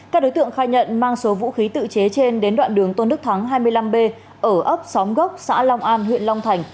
các đối tượng khai nhận mang số vũ khí tự chế trên đến đoạn đường tôn đức thắng hai mươi năm b ở ấp xóm gốc xã long an huyện long thành